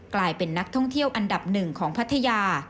กลายเป็นนักท่องเที่ยวอันดับหนึ่งของพัทยา